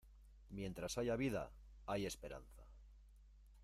Mientras hay vida hay esperanza.